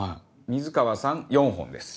水川さん４本です。